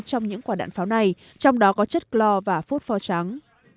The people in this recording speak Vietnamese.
trong những quả đạn pháo này trong đó có chất chlor và phốt pho trắng